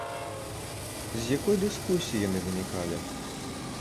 З якой дыскусіі яны вынікалі?